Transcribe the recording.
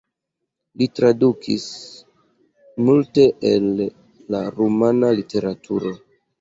Li tradukis multe el la rumana literaturo.